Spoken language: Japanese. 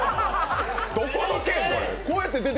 どこの県？